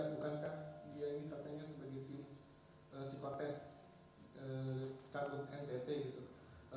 bukankah dia ini katanya sebagai tim psikotest canggung ntt gitu